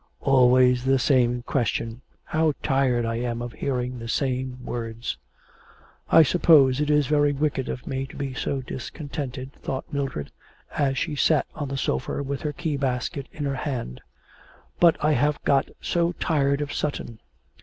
'Always the same question how tired I am of hearing the same words. I suppose it is very wicked of me to be so discontented,' thought Mildred, as she sat on the sofa with her key basket in her hand; 'but I have got so tired of Sutton.